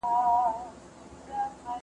زه تمرين نه کوم؟